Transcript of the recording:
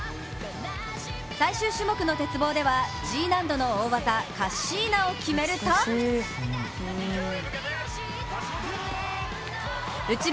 最終種目の鉄棒では Ｇ 難度の大技カッシーナを決めると名誉とは